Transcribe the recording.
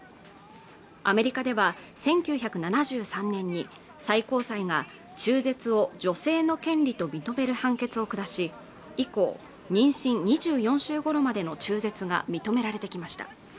アメリカでは１９７３年に最高裁が中絶を女性の権利と認める判決を下し以降妊娠２４週頃までの中絶が認められてきました